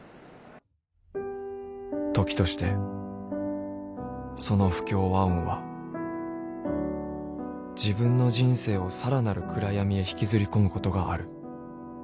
［時としてその不協和音は自分の人生をさらなる暗闇へ引きずり込むことがある］